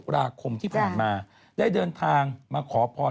ราคมที่ผ่านมาได้เดินทางมาขอพร